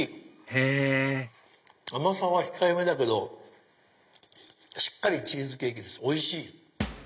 へぇ甘さは控えめだけどしっかりチーズケーキですおいしい！